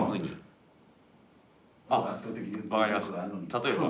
例えば